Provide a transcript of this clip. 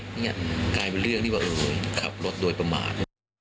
นี่กลายเป็นเรื่องที่ว่าขับรถโดยประมาท